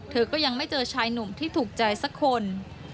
เธอก็ยังไม่เจอชายหนุ่มที่ถูกใจสักคน